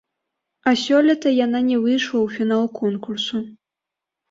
А сёлета яна не выйшла ў фінал конкурсу.